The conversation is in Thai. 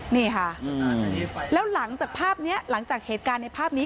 นี่ค่ะแล้วหลังจากภาพนี้หลังจากเหตุการณ์ในภาพนี้